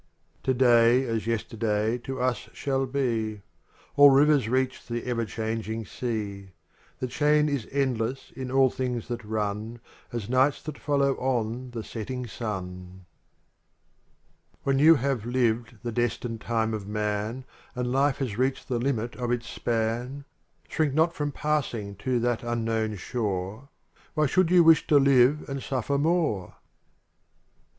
■'■WW. XLU Today as yesterday to us shall be; All rivers reach the ever changing sea; The chain is endless in all things that run, As nights that follow on the setting sun. 27 — Digitized byGoOgle Original from UNIVERSITY OF MICHIGAN 22 When you have lived the destined time of man And life has reached the limit of its span,. Shrink not from passing to that unknown shore; Why should you wish to live and suJTer more?